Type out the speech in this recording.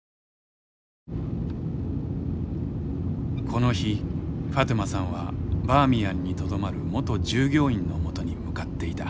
この日ファトゥマさんはバーミヤンにとどまる元従業員のもとに向かっていた。